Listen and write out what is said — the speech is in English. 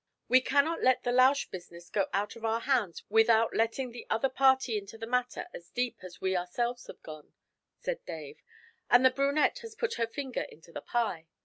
'We cannot let the Lausch business go out of our hands without letting the other party into the matter as deep as we ourselves have gone,' said Dave, 'and the brunette has put her finger into the pie.